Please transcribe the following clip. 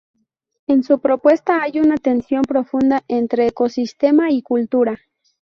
En su propuesta hay una tensión profunda entre ecosistema y cultura.